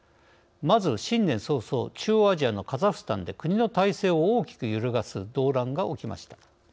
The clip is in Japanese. まず新年早々中央アジアのカザフスタンで国の体制を大きく揺るがす動乱が起きました。